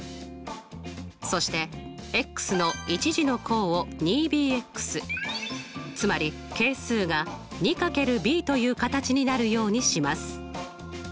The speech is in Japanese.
そしての１次の項を２ｂつまり係数が２×ｂという形になるようにします。